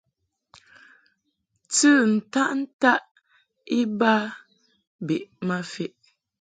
Tɨ ntaʼ ntaʼ iba bə ma feʼ.